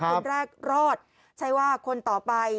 คนแรกรอดใช้ว่าคนต่อไป